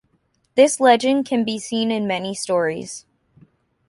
This legend can be seen in many stories.